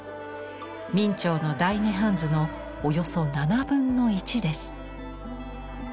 明兆の「大涅槃図」のおよそ７分の１です。